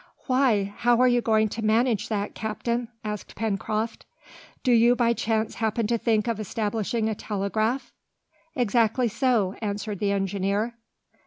"Why! how are you going to manage that, captain?" asked Pencroft. "Do you by chance happen to think of establishing a telegraph?" "Exactly so," answered the engineer.